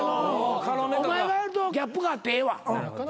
お前がやるとギャップがあってええわ。